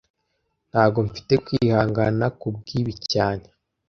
Ntago nfite kwihangana kubwibi cyane